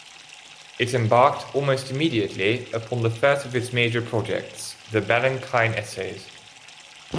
It embarked almost immediately upon the first of its major projects, The Balanchine Essays.